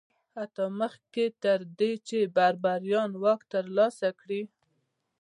حتی مخکې تر دې چې بربریان واک ترلاسه کړي